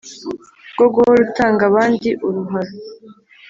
Rwo guhora utanga abandi uruharo.